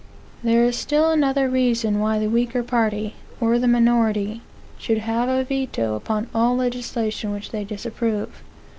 There is still another reason why the weaker party, or the minority, should have a veto upon all legislation which they disapprove.